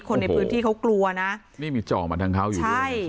คนในพื้นที่เขากลัวนะนี่มีจ่อมาทางเขาอยู่ด้วยใช่